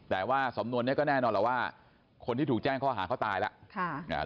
แต่ว่าสำนวนนี้ก็แน่นอนแล้วว่าคนที่ถูกแจ้งข้อหาเขาตายแล้ว